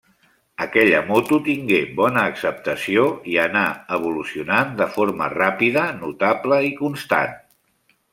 Aquella moto tingué bona acceptació i anà evolucionant de forma ràpida, notable i constant.